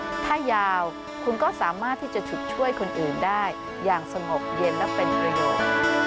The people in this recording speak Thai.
ถ้ายาวคุณก็สามารถที่จะฉุดช่วยคนอื่นได้อย่างสงบเย็นและเป็นประโยชน์